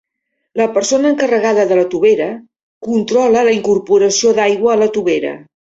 La persona encarregada de la tovera controla la incorporació d'aigua a la tovera.